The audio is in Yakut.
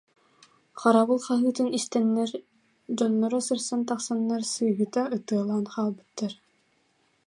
Харабыл хаһыытын истэннэр, дьонноро сырсан тахсаннар сыыһыта ытыалаан хаалбыттар